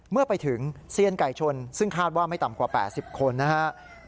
เมื่อไปถึงเซียนไก่ชนซึ่งคาดว่าไม่ต่ำกว่า๘๐คนนะครับ